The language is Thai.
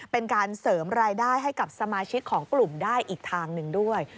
เป็นการเสริมรายได้ให้กับสมาชิกของกลุ่มได้อีกทางหนึ่งด้วย